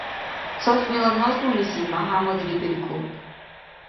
Ца сунела назмулизиб Мяхӏяммадли белкӏун